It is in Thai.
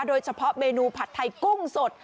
โดยเฉพาะเมนูผัดไทยกุ้งสด